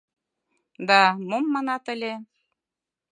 — Да, мом манат ыле!